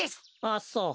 あっそう。